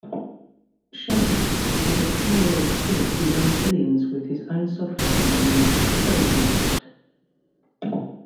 Sheldon: is a ten-year-old kid who earned billions with his own software company: Sheldonsoft.